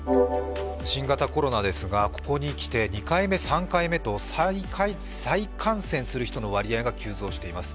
新型コロナですが、ここにきて２回目、３回目と再感染する人の割合が急増しています。